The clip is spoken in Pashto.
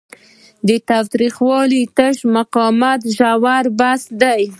له تاوتریخوالي تش مقاومت ژور بحث دی.